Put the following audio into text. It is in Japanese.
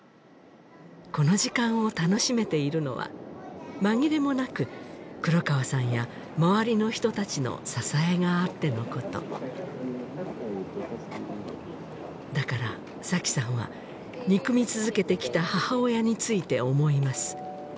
この時間を楽しめているのは紛れもなく黒川さんや周りの人たちの支えがあってのことだから紗妃さんは憎み続けてきた母親について思います